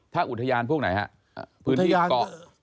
ถ้าอุทยานพวกไหนฮะพื้นที่เกาะ